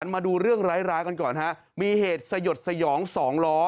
มาดูเรื่องร้ายกันก่อนฮะมีเหตุสยดสยองสองล้อ